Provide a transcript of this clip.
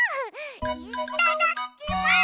いっただきます！